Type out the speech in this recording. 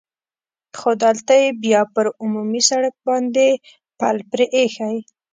خو دلته یې بیا پر عمومي سړک باندې پل پرې اېښی.